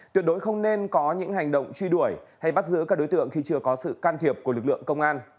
tuyệt đối không nên có những hành động truy đuổi hay bắt giữ các đối tượng khi chưa có sự can thiệp của lực lượng công an